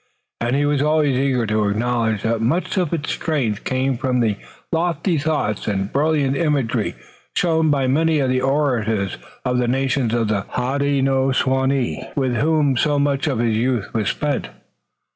And he was always eager to acknowledge that much of its strength came from the lofty thought and brilliant imagery shown by many of the orators of the nations of the Hodenosaunee, with whom so much of his youth was spent.